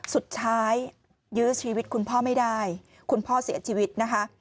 สุดท้ายยื้อชีวิตคุณพ่อไม่ได้คุณพ่อเสียชีวิตนะคะ